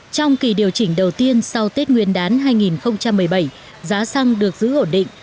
trong kỳ điều chỉnh đầu tiên sau tết nguyên đán hai nghìn một mươi bảy giá xăng được giữ ổn định